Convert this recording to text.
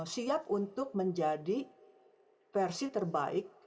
siap untuk menjadi versi terbaik